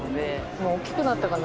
もう大きくなったかな？